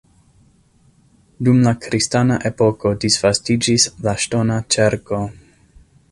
Dum la kristana epoko disvastiĝis la ŝtona ĉerko.